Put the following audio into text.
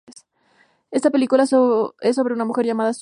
Esta película es sobre una mujer llamada Summer.